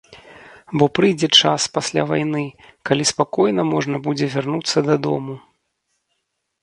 Бо прыйдзе час, пасля вайны, калі спакойна можна будзе вярнуцца дадому.